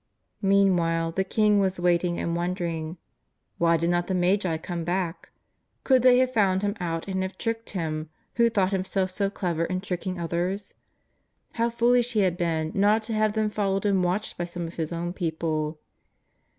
Meanw^hile the king was waiting and wondering. AYhy did not the Magi come back? Could they have found him out and have tricked him who thought him self so clever in tricking others? How foolish he had been not to have them followed and watched by some of his own people.